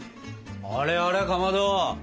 あれあれかまど！